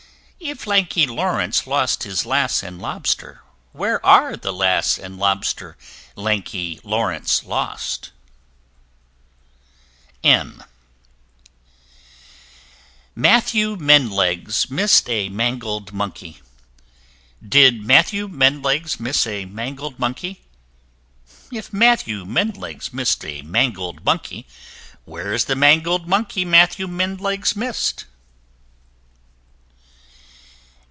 If Lanky Lawrence lost his Lass and Lobster, Where are the Lass and Lobster Lanky Lawrence lost? M m [Illustration: Matthew Mendlegs] Matthew Mendlegs miss'd a mangled Monkey Did Matthew Mendlegs miss a mangled Monkey? If Matthew Mendlegs miss'd a mangled Monkey, Where's the mangled Monkey Matthew Mendlegs miss'd?